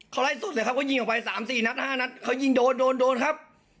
เขาไล่สดเลยครับก็ยิงออกไปสามสี่นัดห้านัดเขายิงโดนโดนโดนครับ